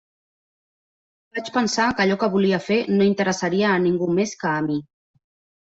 Vaig pensar que allò que volia fer no interessaria a ningú més que a mi.